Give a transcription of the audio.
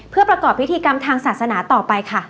เพื่อประกอบพิธีกรรมทางศาสนาต่อไปค่ะ